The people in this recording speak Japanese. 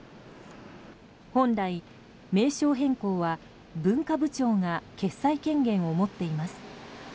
本来、名称変更は文化部長が決裁権限を持っています。